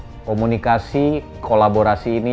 selain itulah komunikasi kolaborasi ini